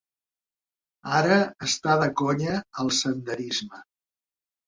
Ara està de conya el senderisme.